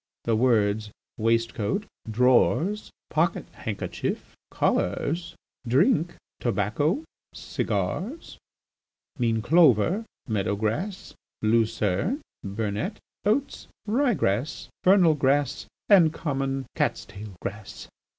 The words waistcoat, drawers, pocket handkerchief, collars, drink, tobacco, cigars, mean clover, meadowgrass, lucern, burnet, oats, rye grass, vernal grass, and common cat's tail grass.